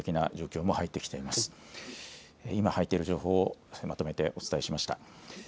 今入っている情報をまとめてお伝えしました。